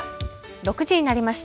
６時になりました。